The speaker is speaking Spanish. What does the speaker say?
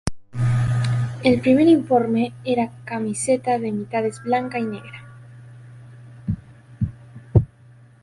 El primer uniforme era camiseta de mitades blanca y negra.